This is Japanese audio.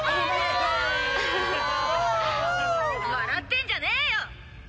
「笑ってんじゃねえよ！」